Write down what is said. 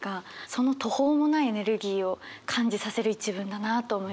その途方もないエネルギーを感じさせる一文だなと思います。